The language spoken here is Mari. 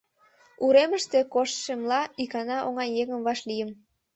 Уремыште коштшемла, икана оҥай еҥым вашлийым.